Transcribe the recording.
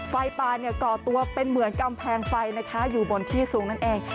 ไฟป่าก่อตัวเป็นเหมือนกำแพงไฟนะคะอยู่บนที่สูงนั่นเอง